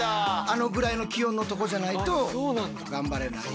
あのぐらいの気温のとこじゃないとがんばれない。